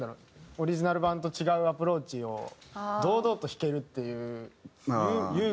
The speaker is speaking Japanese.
オリジナル版と違うアプローチを堂々と弾けるっていう勇気っていうか。